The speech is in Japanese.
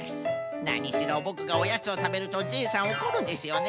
なにしろボクがおやつをたべるとジェイさんおこるんですよね。